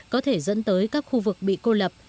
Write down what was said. có thể dẫn tới các khu vực bị cô lập